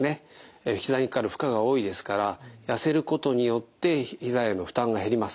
ひざにかかる負荷が多いですから痩せることによってひざへの負担が減ります。